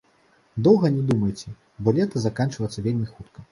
Доўга не думайце, бо лета заканчваецца вельмі хутка.